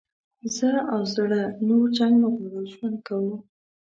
زه او زړه نور جنګ نه غواړو ژوند کوو.